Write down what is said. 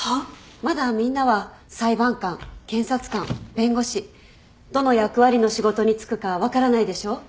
まだみんなは裁判官検察官弁護士どの役割の仕事に就くか分からないでしょ？